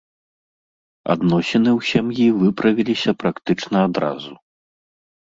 Адносіны ў сям'і выправіліся практычна адразу.